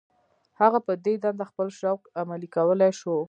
هغه په دې دنده خپل شوق عملي کولای شو.